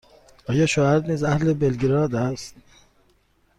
آیا شوهرت نیز اهل بلگراد است؟